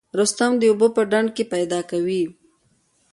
رستم د اوبو په ډنډ کې پیدا کوي.